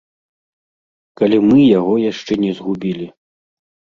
Калі мы яго яшчэ не згубілі.